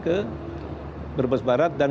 ke brebes barat dan